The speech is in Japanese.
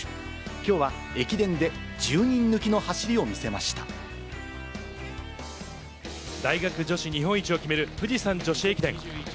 きょうは駅伝で１０人抜きの走り大学女子日本一を決める富士山女子駅伝。